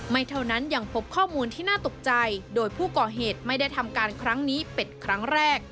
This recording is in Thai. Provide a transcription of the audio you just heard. ไม่เท่านั้นยังพบข้อมูลที่น่าตกใจโดยผู้ก่อเหตุไม่ได้ทำการครั้งนี้เป็นครั้งแรก